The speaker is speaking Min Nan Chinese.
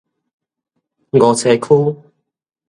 梧棲區